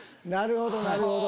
なるほど。